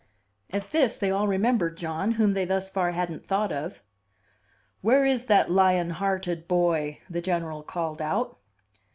At this they all remembered John, whom they thus far hadn't thought of. "Where is that lion hearted boy?" the General called out.